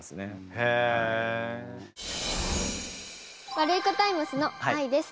ワルイコタイムスのあいです。